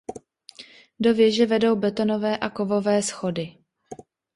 Do věže vedou betonové a kovové schody.